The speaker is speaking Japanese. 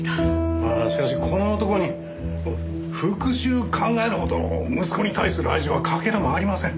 まあしかしこの男に復讐を考えるほどの息子に対する愛情はかけらもありません。